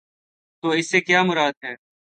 تو اس سے کیا مراد ہے؟